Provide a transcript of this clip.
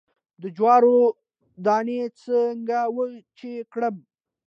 د جوارو دانی څنګه وچې کړم؟